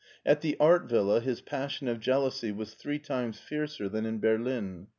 At the art villa his passion of jealousy was three times fiercer than in Berlin.